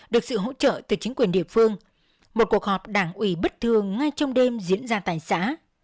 được sự hỗ trợ từ chính quyền địa phương một cuộc họp đảng ủy bất thường ngay trong đêm diễn ra tại xã